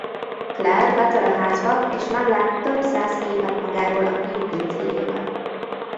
Claire betör a házba és meglát több száz képet magáról a fiú pincéjében.